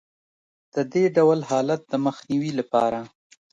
د دې ډول حالت د مخنیوي لپاره